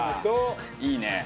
いいね。